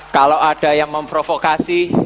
kalau ada yang memprovokasi